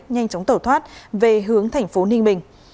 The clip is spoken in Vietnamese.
nhanh chóng tẩu thoát về hướng thành phố ninh bình